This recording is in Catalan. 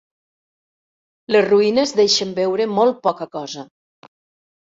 Les ruïnes deixen veure molt poca cosa.